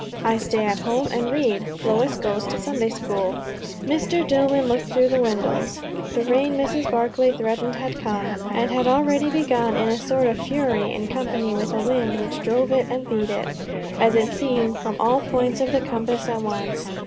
"I stay at home and read. Lois goes to Sunday school." Mr. Dillwyn looked to the windows. The rain Mrs. Barclay threatened had come; and had already begun in a sort of fury, in company with a wind, which drove it and beat it, as it seemed, from all points of the compass at once.